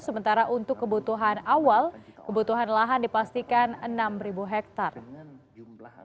sementara untuk kebutuhan awal kebutuhan lahan dipastikan enam hektare